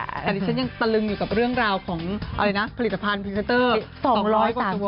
แต่ฉันยังตะลึงอยู่กับเรื่องราวของผลิตภัณฑ์พรีเซ็นเตอร์